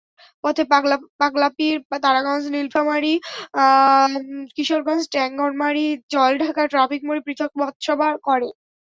পথে পাগলাপীর, তারাগঞ্জ, নীলফামারীর কিশোরগঞ্জ, ট্যাঙ্গনমারী, জলঢাকা ট্রাফিক মোড়ে পৃথক পথসভা করে।